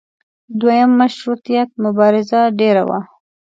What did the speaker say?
دویم مشروطیت مبارزه ډېره وه.